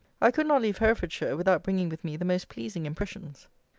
I could not leave Herefordshire without bringing with me the most pleasing impressions.